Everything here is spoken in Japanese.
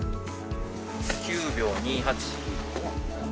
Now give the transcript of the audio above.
９秒２８。